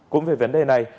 cũng về vấn đề này